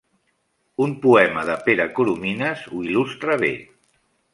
Un poema de Pere Coromines ho il·lustra bé.